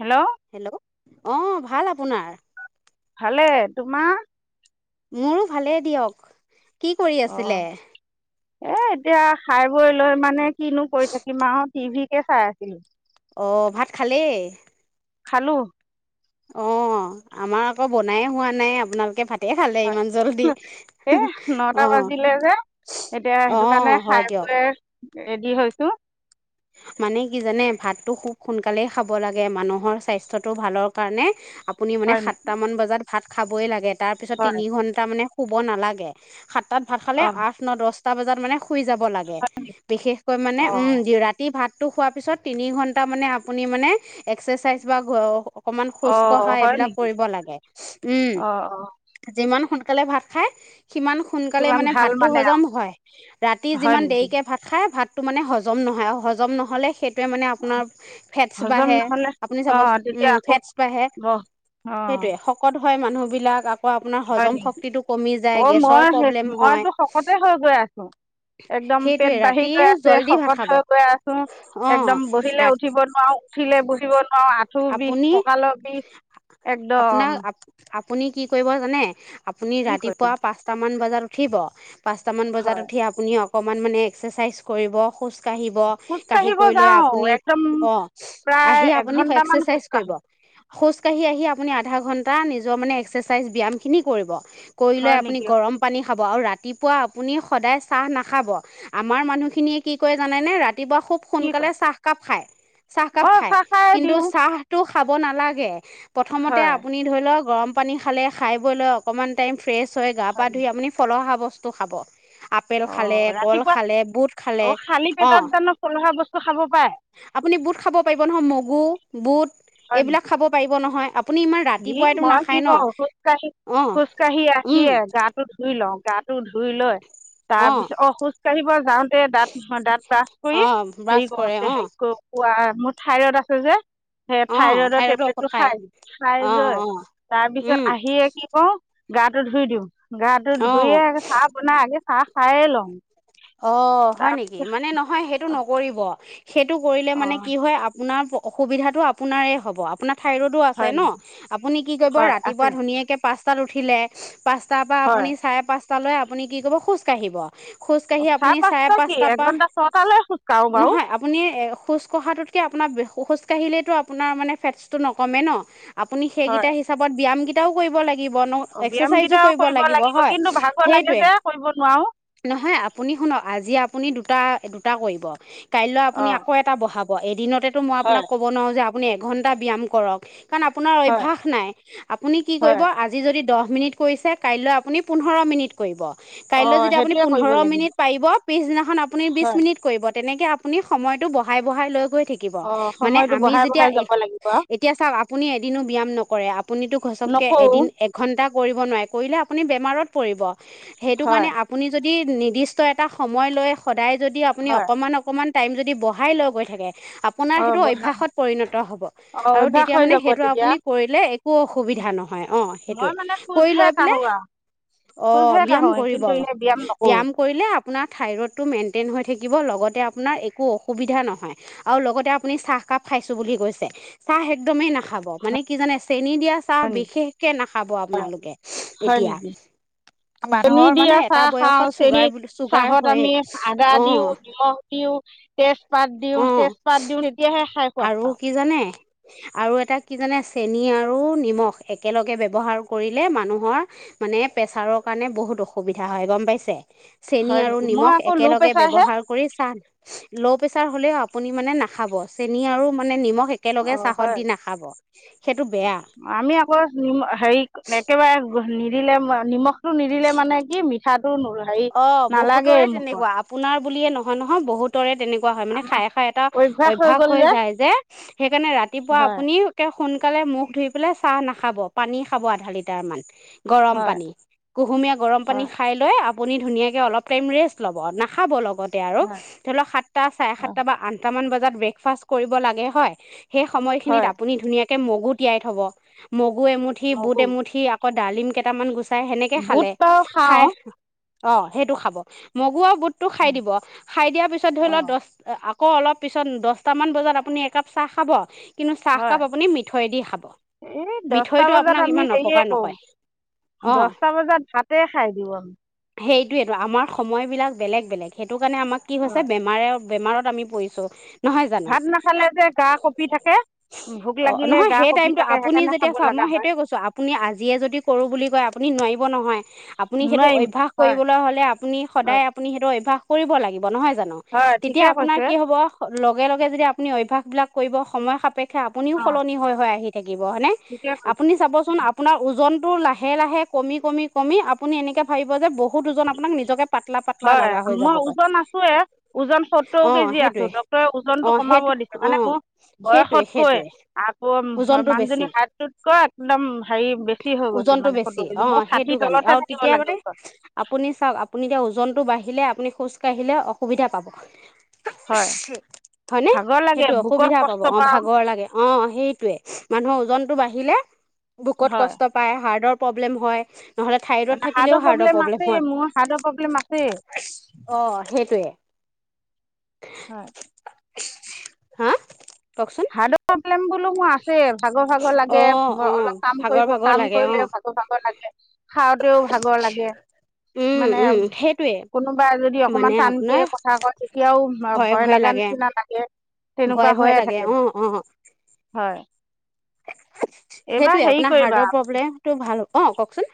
Hello. Hello অহ ভাল আপোনাৰ । ভালে তোমাৰ? মোৰো ভালে দিয়ক । কি কৰি অ' আছিলে? এ এতিয়া খাই বৈ লৈ মানে কিনো কৰি থাকিম আৰু টিভিকে চাই আছিলো । অহ ভাত খালেই । খালো । অহ আমাৰ আকৌ বনায়ে হোৱা নাই আপোনালোকে ভাত হয় এই নটা অঁ বাজিলে যে এতিয়া সেইটো অঁ কাৰণে হয় খাই দিয়ক পই ৰেডি হৈছো । মানে কি জানে ভাতটো খুব সোনকালেই খাব লাগে মানুহৰ স্বাস্থ্যটো ভালৰ কাৰণে আপুনি মানে হয় নেকি সাতটামান বজাত ভাত খাবই লাগে। তাৰপিছত হয় তিনি ঘণ্টা মানে শুব নালাগে । সাতটাত ভাত খালে অ' আঠ, ন, দচ তা বজাত মানে শুই যাব লাগে বিশেষকৈ মানে উম অ' [unintelligible] ভাতটো খোৱাৰ পিছত তিনিঘন্টা মানে আপুনি মানে এক্সাৰচাইজ বা [unintelligible] অকমান খোজ কঢ়া অ' হয় এইবিলাক নেকি কৰিব লাগে উম অ' অ' যিমান সোন- -কালে ভাত খাই সিমান সোনকালে কিমান মানে ভাল ভাতটো হজম আৰু হয় ৰাতি হয় যিমান নেকি দেৰিকে ভাত খাই ভাত তো মানে হজম নহয় আৰু হজ- জম নহ'লে সেই টোৱে মানে ফেটছ হজম বাঢ়ে নহ'লে আপুনি চাবচো অ' উম তেতিয়া আকৌ ফেটছ বাঢ়ে ব- অ' সেইটোৱেই শকত হয় মানুহবিলাক আ হয় নেকি অ গেছৰ মই প্ৰব্লেম হয় মইতো শকতে হৈ গৈ আছো একদম পেট সেইটোৱে বাঢ়ি ৰাতি গৈ আছে জল্দি ভাত শকত খাব হৈ গৈ আছো [unintelligible] অঁ একদম বহিলে ৰাতি উঠিব নোৱাৰো উঠিলে বহিব নোৱাৰো আঁঠুৰ বিষ আপুনি কঁকালৰ বিষ আপোনাৰ একদম আপুনি কি কৰিব জানে আপুনি কি কৰিম ৰাতিপুৱা পাঁচটা মান বজাত উঠিব পাঁচটামান বজাত হয় উঠি আপুনি অকণমান মানে এক্সাৰচাইজ কৰিব খোজ কাঢ়িব খোজ কাঢ়ি কাঢ়িব কৰি লৈ যাওঁ আপুনি একদম অঁ প্ৰায় আহি আপুনি এঘন্টামান খোজ এক্সাৰচাইজ কৰিব কাঢ়ো খোজ কাঢ়ি আহি আপুনি আধা ঘন্টা নিজৰ মানে এক্সাৰচাইজ ব্যায়াম খিনি কৰিব কৰি লৈ হয় আপুনি নেকি গৰম পানী খাব আৰু ৰাতিপুৱা আপুনি সদায় চাহ নাখাব আমাৰ মানুহখিনিয়ে কি কৰে জানেনে ৰাতি পুৱা খুব কি সোনকালে কয় চাহকাপ খায় চাহকাপ অঁ খায় চাহ খাই কিন্তু দিওঁ চাহটো খাব নালাগে প্ৰথমতে হয় আপুনি ধৰি লওঁক গৰম পানী খালে খাই বৈ লৈ অকণমান টাইম ফ্ৰেছ চ গা হয় পা ধুই নেকি ই আপুনি ফলহা বস- বস্তু খাব আপেল অঁ খালে কল ৰাতিপুৱা খালে বুট খালে অ ফলহা বস্তু খাব পায় আপুনি বুট খাব পাৰিব নহয় মগু বুট। হয় নেকি এইবিলাক খাব পাৰিব নহয়। আপুনি ইমান ই ৰাতিপুৱাইতো মই কি নাখায় ন কওঁ, খোজ কাঢ়ি, অঁ খোজ কাঢ়ি উম আহিয়ে গাটো ধুই লওঁ গাটো ধু ধুই লয়, অঁ তাৰপিছত অ খোজ কাঢ়িব যাওঁতে দাঁত নহয় দাঁত ব্ৰাছ কৰি অঁ হেৰি ব্ৰাছ কও, কৰে অঁ হেৰি-কৰি কোৱা থাইৰয়ড আছে যে। সেই অঁ থাইৰয়ডৰ থাইৰডৰ ঔষধ টেবলেটতো খায় খাই খায় অঁ লৈ, অঁ তাৰপিছত উম আহিয়ে কি কওঁ? গাটো ধুই দিওঁ। গাটো অঁ ধুইয়ে চাহ বনাই আগে চাহ খায়ে লওঁ। অঁ হয় তাৰ নেকি, মানে নহয় সেইটো নকৰিব। সেইটো কৰিলে মানে অঁ কি হয়, আপোনাৰ অসুবিধাটো আপোনাৰে হ'ব, আপোনাক থাইৰয়ডও আছে হয় নহ, নেকি আপুনি কি কৰিব হয় আছে ৰাতিপুৱা ধুনীয়াকেই পাঁচ তাত উঠিলে। পাঁচটাৰ পৰা হয় আপুনি চাৰে পাঁচ তালৈ আপুনি কি কব খোজকাঢ়িব। খোজকাঢ়ি আপুনি চাৰে কি পাঁচটা পা, এঘণ্টা ছটালৈ খোজকাঢ়োঁ বাৰু নহয়, আপুনি খোজকঢ়াটোতকে আপোনাৰ কাঢ়িলেতো আপোনাৰ মানে ফেটচটো নকমে ন। আপুনি হয় সেইকেইটা হিচাপত ব্যায়াম গি তাও কৰিব লাগে। কিবনো, অঁ এক্সেৰচাইজও ব্যায়ামকেইটাও কৰিব লাগিব হয়, কিন্তু ভাগৰ লাগে সেইটোৱে, যে কৰিব নোৱাৰোঁ নহয় আপ আজি আপুনি দুটা, দুটা কৰিব। কাইলৈ আপুনি অঁ আকৌ এটা বঢ়াব। ক, এদিনতে মই আপোনাক হয় ক'ব নোৱাৰো যে আপু আপুনি এঘন্টা ব্যায়াম কৰক কাৰণ আপোনাৰ হয় অভ্যাস নাই, আপুনি কি হয় কৰিব আজি যদি দহ দহ মিনিট কৰিছে, কাইলৈ আপুনি পোন্ধৰ মিনিট কৰিব। কাইলৈ অঁ যদি আপুনি সেইটোৱে কৰিব পোন্ধৰ লাগিব মিনিট পাৰিব, পিছদিনাখন আপুনি বিশ হয় মিনিট কৰিব। তেনেকে আপুনি সময়টো বঢ়াই বঢ়াই লৈ গৈ থাকিব অঁ মানে সময়টো আমি বঢ়াই যেতিয়া, বঢ়াই যাব লাগিব আৰু এতিয়া চাওক আপুনি এদিনো ব্যায়াম নকৰে আপুনিতো সচককে নকৰোঁ এদিন একঘন্টা কৰিব নোৱাৰে কৰিলে আপুনি বেমাৰত পৰিব। সেইটো হয় কাৰণে আপুনি যদি দি নিৰ্দিষ্ট ত এটা সময় লৈ সদায় যদি আপুনি হয় অকমান- অকমান টাইম যদি বহ়াই লৈ গৈ থাকে আপোনাৰ অঁ সেইটো বঢ়া অভ্যাসত পৰিণত হ'ব অঁ আৰু অভ্যাস তেতিয়া হৈ মানে যাব সেইটো তেতিয়া আপুনি কৰিলে একো অসুবিধা নহয় অ' মই সেইটোৱে, মানে কৰি খোজহে লৈ পেলাই কাঢ়োঁ আৰু অ' খোজহে ব্যায়াম কাঢ়োঁ কৰিব, কিন্তু এনেই নকৰোঁ ব্যায়াম কৰিলে আপোনাৰ থাইৰইডটো মেইনটেইন হৈ থাকিব লগতে আপোনাৰ একো অসুবিধা নহয় আৰু লগতে আপুনি ছাহ কাপ খাইছোঁ বুলি কৈছে, ছাহ একদমেই নাখাব, মানে কি জানে চেনি দিয়া চাহ হয় নেকি বিশেষকে নাখাব আপোনালোকে, হয় এতিয়া নেকি মানুহৰ মানে এটা বয়সত হেৰি চুগাৰ বুলি চুগাৰ চাহত হয়েই আমি আদা অঁ দিওঁ নিমখ দিওঁ তে পাত দিওঁ অঁ তেজপাত দিওঁ তেতিয়াহে খাই সোৱাদ আৰু পাওঁ কি জানে আৰু এটা কি জানে চেনি আৰু নিমখ একেলগে ব্যৱহাৰ কৰিলে মানুহৰ মানে প্ৰেছাৰৰ কাৰণে বহুত অসুবিধা হয় গম পাইছে। চেনি হয় আৰু নেকি মই নিমখ আকৌ ল' একেলগে প্ৰেছাৰহে ব্যৱহাৰ কৰি চাহ ল' প্ৰেছাৰ হ'লেও আপুনি মানে নাখাব। চেনি আৰু মানে নিমখ একেলগে অ' চাহত হয়, দি নাখাব সেইটো বেয়া আমি আকৌ নি হেৰি একেবাৰে নিদিলে নিমখটো নিদিলে মানে কি মিঠা অ' বহুতৰে তেনেকুৱা, আপোনাৰ বুলিয়ে নহয়- নহয় বহুতৰে তেনেকুৱা কোৱা হয় মানে আমাৰ খাই- খাই এটা অভ্যাস হৈ যায় যে, সেইকাৰণে ৰাতিপুৱা হয় আপুনি সোনকালে মুখ ধুই পেলাই চাহ নাখাব, পানী খাব আধা লিটাৰ মান। গৰম হয় পানী, কুহুমীয়া গৰম পানী হয় খাই লৈ আপুনি ধুনীয়াকৈ অলপ টাইম ৰেষ্ট ল'ব, নাখাব লগ লগতে আৰু হয় ধৰি লক সাতটা চাৰে হয় সাতটা বা আঠটা মান বেক ফাষ্ট কৰিব লাগে হয়। সেই সময়খিনিত হয় আপুনি ধুনীয়াকে কে মগু তিয়াই থ'ব, ম গু এমুঠি বুট মগু এমুঠি আকৌ ডালিম কেটামান গুছ চাই সেনেকে খালে, বুট বাৰু খাই খাওঁ অ', সেইটো খাব। মগু আও বুট টো খাই দিব, খাই দিয়াৰ পিছত ধৰি ল অ' দচ আক ক অলপ পিছত দচটামান বজাত আপুনি একাপ চাহ খাব। কিন্তু চাহকাপ হয়, আপুনি মিঠৈ দি খাব এই দচটা মিঠৈটো বজাত আপোনাক আমি ইমান হেৰিয়ে অপকাৰ নকৰে কৰো। অ দচটা বজাত ভাতে খাই দিওঁ আমি। সেইটোয়েটো আমাৰ সময়বিলাক বেলেগ, বেলেগ সেই সেইটো কাৰণে আমাক কি হৈছে অ' বেমাৰে বেমাৰত আমি পৰিছো। নহয় জানো? ভাত নাখালে যে গা কঁপি থাকে ভোক অ', লাগিলে নহয় গা সেই কঁপি টাইমটো থাকে আপুনি সেইকাৰণে খাব যেতিয়া চা লগা মই হয় সেইটোয়ে কৈছো, আপুনি আজিয়ে যদি কৰো বুলি কয় আপুনি নোৱাৰি হ'ব, নহয় আপুনি সেইটো নোৱাৰিম অভ্যাস হয় কৰিবলৈ হ'লে আপুনি সদায় হয় আপুনি সেইটো অভ্যাস কৰিব লাগিব নহয় জানো? হয় তেতিয়া ঠিকে আপোনাৰ কৈছে কি হ'ব লগে লগে যদি আপুনি অভ্যাসবিলাক কৰিব সময় সাপেক্ষ আপুনিও অ' সলনি হৈ হৈ আহি থাকিব হয়নে? ঠিকে কৈছে। আপুনিচোন আপোনাৰ ওজন লাহে, লাহে কমি, কমি, কমি আপুনি এনেকে ভাবিব যে বহু বহু ওজন আপোনাক নিজকে পাতলা পাতলা হয়, লগা হৈ মই যাবগৈ ওজন আছোয়ে ওজন সত্তৰ অ কেজি আছো সেইটোৱে ডাক্তৰে ওজনটো অ কমাব সেইটো দিছে অ মানে মোৰ সেইটোৱে বয়সতকৈ সেইটোৱে আকৌ ওজনটো বেছি মানুহজনীৰ হাইটোতকৈ একদম হেৰি বেছি হৈ গৈছে ওজনটো মানে বেছি সত্তৰ কেজি অ মোৰ ষাঠি সেইটো কাৰণে তলতহে আৰু থাকিব তেতিয়া লাগে মানে ওজন আপুনি চাওক, আপুনি এতিয়া ওজনটো বাঢ়িলে আপুনি খোজ কাঢ়িলে অসুবিধা পাব। হয় হ'য়নে? ভাগৰ লাগে সেইটো বুকত অসুবিধা পাব কষ্ট অ', পাওঁ ভাগৰ লাগে অ', সেইটোয়ে মানুহৰ ওজনতটো বাঢ়ি আহিলে ভোকত হয় কষ্ট পায়, হাৰ্ডৰ প্ৰব্লেম হয়। নহ'লে, থাইৰড মানে থাকিলেও হাৰ্টৰ হাৰ্ডৰ প্ৰব্লেম আছে হয় মোৰ হাৰ্টৰ প্ৰব্লেম আছেই, অ সেইটোৱে হয়। হা কওকচোন [unintelligible] প্ৰব্লেম বোলো মোৰ আছে ভাগৰ, ভাগৰ লাগে অ অ অলপ কাম ভাগৰ কৰিব ভাগৰ কাম লাগে অ কৰিলেও ভাগৰ, ভাগৰ লাগে। খাওঁতেও ভাগৰ লাগে উম মানে উম সেইটোৱে কোনোবা যদি মানে অকমান কে আপোনাৰ কথা কয়, তেতিয়াও ভয়ে ভয় ভয়ে লগা লাগে নিচিনা লাগে। তেনেকুৱা ভয়ে ভয়ে হৈয়ে থাক লাগে অ', অ। এইবাৰ সেইটোয়ে হেৰি আপোনাৰ হাৰ্টৰ প্ৰব্লেমটো ভাল অ' কওকচোন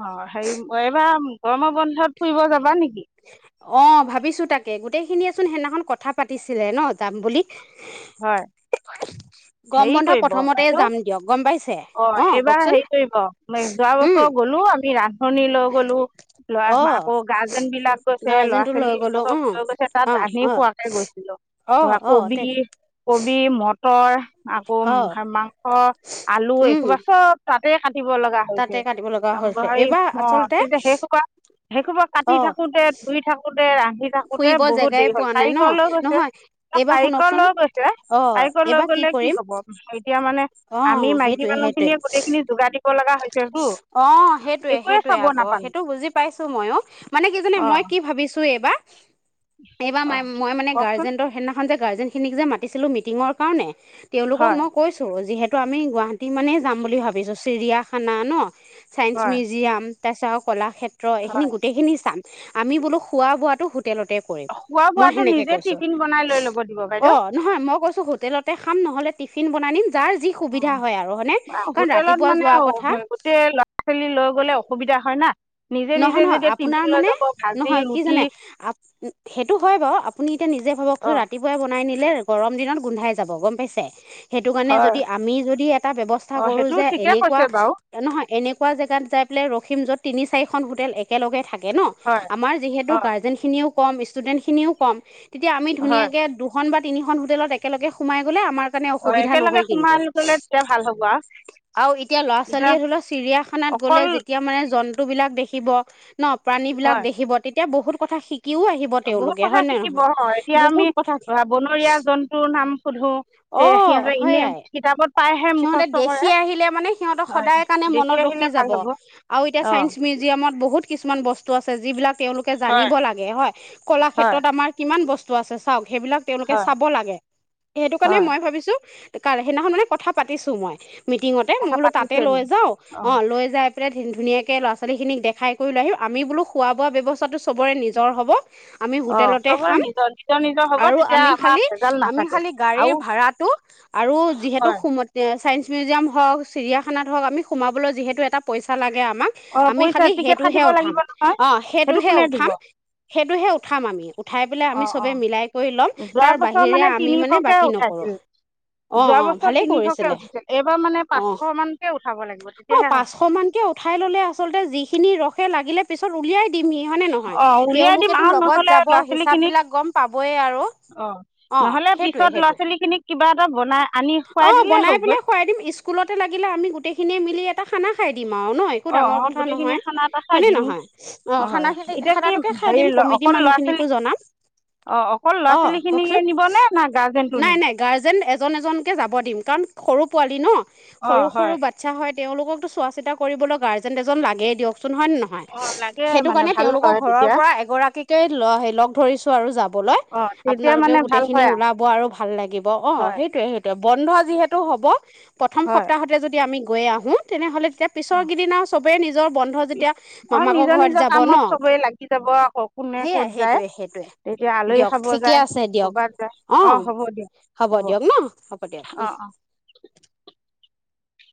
অ হেৰি মই এইবাৰ গৰমৰ বন্ধত ফুৰিব যাবা নেকি অ' ভাবিছো তাকে গোটেইখিনি যদি চোন সেইদিনাখন কথা পাতিছিলে ন যাম বুলি হয়। গৰম হেৰি বন্ধ কৰিব প্ৰথমতে বাইদেউ যাম দিয়ক গম পাইছে অ' এইবাৰ কওকচোন হেৰি কৰিব যোৱা উম বছৰ গ'লো আমি ৰান্ধনি লৈ গ'লো, ল'ৰা অ আকৌ গাৰ্জেন বিলাক গৈছে, গাৰ্জেনটো লৈ গলো ল'ৰা-ছোৱালীবিলাক অ লৈ গৈছে তাত অ ৰান্ধি অ খোৱাওতে গৈছিলো, অ অ কবি তে কবি, মটৰ আকৌ অ মাংস আলু উম এইসোবা চব তাতে কাটি কাটিব লগা তাতে হৈছে কাটিব লগা হৈছে হৰি এইবাৰ অ' আচলতে তেতিয়া সেইসোপা সেইসোপা কাটি অ থাকোতে ধুই থাকোতে ৰা আহি থাকোতে ফুৰিব বহুত জেগাই দেৰি হ'ল পোৱা নাই ন কাৰিকৰ লৈ গৈছে, নহয় এইবাৰ কাৰিকৰ শুনকচোন লৈ গৈছে অ' কাৰিকৰ লৈ এইবাৰ কি গ'লে কৰিম হ'ব এতিয়া মানে আমি অ' মাইকী সেইটোৱে সেইটোৱে মানুহখিনিয়ে গোটেইখিনি যোগাৰ দিব লগা হৈছেতো অ' সেইটোৱে একোৱে সেইটোৱে চাব আকৌ নাপালোঁ সেইটো বুজি পাইছো ময়ো, মানে কিজানে অঁ মই কি ভাবিছো এইবাৰ এইবাৰ ম অঁ মই মানে কওকচোন গাৰ্জেনৰ সেইদিনাখন যে গাৰ্জেনখিনিক যে মাতিছিলো মিটিঙৰ কাৰণে তেওঁলোকক হয় মই কৈছো যিহেতু তো আমি গুৱাহাটী মানেই যাম বুলি ভাবিছো চিৰিয়াখানা ন'। চাইন্স হয় মিউজিয়াম তাৰপিছত আৰু কলাক্ষেত্ৰ ৰ এইখিনি হয় গোটেইখিনি চাম আমি বোলো খোৱা-বোৱাটো । তে কৰিম খোৱা মই বোৱাটো সেনেকে নিজে কৈছো টিফিন বনাই লৈ ল'ব দিব বাইদেউ অ' নহয় মই কৈছো হোটেলতে খাম নহ'লে টিফিন বনাই নিম। যাৰ যি সুবিধা হয় আৰু হয়নে কাৰণ হোটেলত ৰাতিপুৱা মানে যোৱাৰ কথা গোটেই ল'ৰা-ছোৱালী লৈ গ'লে অসুবিধা হয় না নিজে নিজে নহয় নহয় যেতিয়া আপোনাৰ টিফিন লৈ মানে যাব ভাজি নহয় কি ৰুটি জানে আ সেইটো হয় বাৰু আপুনি এতিয়া নিজে ভাবকচোন অঁ ৰাতিপুৱাই বনাই নি নিলে গৰম দিনত গোন্ধাই যাব গম পাইছে । সেইটো কাৰণে হয় যদি আমি যদি এটা ব্যৱস্থা অঁ কৰো সেইটো যে ঠিকে এনেকুৱা কৈছে বাৰু নহয় এনেকুৱা জেগাত যাই পেলাই ৰখিম য'ত তিনি চাৰিখন হোটেল একেলগে থাকে । ন হয় আমাৰ যিহেতু অঁ গাৰ্জেন খিনিয়েও কম, ষ্টুডেন্ট খিনিও কম। তেতিয়া আমি হয় ধুনীয়াকৈ দুখন বা। তিনিখন হোটেলত একেলগে সোমাই গ'লে আমাৰ। অঁ অসুবিধা একেলগে নহয় কিন্তু, সোমাই গ'লে তেতিয়া ভাল হ'ব আৰু আৰু এতিয়া লৰা তেতিয়া ছোৱালীয়ে ধৰিও চিৰিয়াখানাত গলে অকল যেতিয়া মানে জন্তু। [unintelligible] বিলাক দেখিব। ন, প্ৰাণী বিলাক হয় দেখিব। তেতিয়া বহুত কথা শিক। বহুত কথা শিকিব। এতিয়া আমি বহুত কথা বনৰীয়া জন্তুৰ নাম সোধো, তে অ সিহঁতৰ এনে সেয়াই কিতাপত পাইহে সিহঁতে মুখস্থ দেখি কৰে আহিলে মানে সিহঁতক সদায় হয়। দেখি আহিলে ভাল হব। অঁ ছায়ন্স মিউজিয়ামত বহুত। কিছুমান বস্তু আছে যিবিলাক। তেওঁলোকে জানিব হয় লাগে। হয়, হয় কলাক্ষেত্ৰত আমাৰ কিমান বস্তু। আছে চাওক। সেইবিলাক তেওঁলোকে হয় চাব লাগে। সেইটো কাৰণে হয় মই ভাবিছো। কাৰ, সেইদিনাখন মানে কথা পাতিছো মই। মিটিঙতে। মই কথা বোলো তাতে পাতিছে লৈ যাওঁ। অঁ অ' লৈ যাই। সি ধুনীয়াকে। তাকে, ল'ৰা ছোৱালীখিনিক দেখাই কৰি লৈ আহিম। আমি বোলো খোৱা-বোৱা ব্যৱস্থাটো চবৰে নিজৰ হ'ব। আমি অঁ হোটেলতে চবৰে খাম। নিজৰ নিজৰ নিজৰ হ'ব আৰু তেতিয়া আমি আমাৰ খালি, ভেজাল আমি নাথাকে খালি গাড়ীৰ আৰু ভাৰাটো আৰু যিহেতু হয় সোণ, ছায়েন্স। [unintelligible] মিউজিয়াম হওক, চিৰিয়াখানাত হওক, আমি সোমাবলৈ যিহেতু এটা পইচা লাগে আমাক। অঁ আমি পইচা খালি টিকেট সেইটোহে কাটিব উঠাম। লাগিব নহয় অ' সেইটো সেইটোহে কোনে দিব উঠাম। সেইটোহে উঠাম আমি। উঠাই পেলাই আমি অঁ চবে অঁ মিলাই কৰি ল'ম। যোৱা তাৰ বছৰ বাহিৰে আমি মানে তিনিশকৈ বাকী নকৰোঁ। উঠাইছিল অ' যোৱা অ' বছৰ ভালেই কৰিছে তিনিশকৈ তাই। উঠিছিল এইবাৰ মানে পাঁচশমানকৈ উঠাব লাগিব অ-অ' তেতিয়াহে হ'ব পাঁচশ মানকে উঠাই ল'লে আ [unintelligible] আচলতে যিখিনি ৰখে। লাগিলে পিছত উলিয়াই দিম। হয়নে নহয়। অঁ উলিয়াই তেওঁলোক দিম টো আহক লগত নহ'লে যাবই। ল'ৰা হিচাপ ছোৱালীখিনিক বিলাক গম পাবই আৰু, অঁ অ' নহ'লে সেইটোৱেই পিছত ল'ৰা সেইটোৱেই। ছোৱালীখিনিক কিবা এটা বনাই আনি খুৱাই অ' দিলেই বনাই হৈ মেলি গ'ল খুৱাই দিম, স্কুলতে লাগিলে, আমি গোটেই খিনি মিলি। এটা খানা খাই। [unintelligible] দিম আৰু ন? একো ডাঙৰ কথা। গোটেইখিনি নহয় খানা এটা খাই হয়নে দিম। নহয় অ হয়, খানা হয়। খিনি এতিয়া কি, খানাটোকে খাই হেৰি দিম কমিটি অকল ল'ৰা মানুহখিনিকো ছোৱালী, জনাম অ অকল ল'ৰা অ ছোৱালী কওকচোন খিনিকে নিবনে না গাৰ্জেনটো নাই নিব? নাই গাৰ্জেন এজন এজনকৈ যাব দিম কাৰণ সৰু পোৱালী ন। অঁ সৰু সৰু হয় বাচ্ছা হয়। তেওঁলোকতো চোৱা চিতা কৰিবলৈ গাৰ্জেন এজন। জন লাগেই দিয়ক। হয়ন নহয়, অঁ লাগে সেইটো মানে কাৰণে ভাল তেওঁলোকৰ হয় ঘৰৰ তেতিয়া পৰা এগৰাকী [unintelligible] তেই, ল-লগ ধৰিছো আৰু যাব। অঁ তেতিয়া আপোনালোকে মানে গোটেই ভাল খিনি হয় ওলাব আৰু ভাল লাগিব। অ হয় সেইটোৱেই সেইটোৱে। বন্ধ আজি হেতু হ'ব। প্ৰথম হয় সপ্তাহতে যদি আমি গৈ আহো তেনেহ'লে এতিয়া পিছৰ অঁ কিদিনা চবে নিজৰ বন্ধ যেতিয়া অঁ মামাকৰ নিজৰ ঘৰত নিজৰ যাব ন? কামত চবেই লাগি যাব আকৌ কোনে ক'ত সেইয়াই যায় সেইটোৱে তেতিয়া সেইটোৱে আলহী দিয়ক, খাব ঠিকে যায় আছে দিয়ক, ক'ৰবাত যায় অ অঁ হ'ব দিয়ক হ'ব দিয়ক ন হ'ব দিয়ক উম। অঁ অঁ